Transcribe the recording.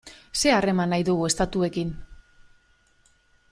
Zer harreman nahi dugu estatuekin?